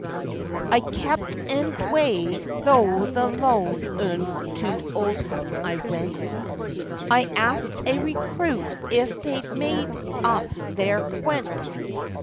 I kept eendway thro' th' lone, un to Owdham I went, I ask'd a recruit if te'd made up their keawnt?